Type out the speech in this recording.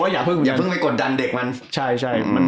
อย่าเพิ่งไปกดดันเด็กมันใช่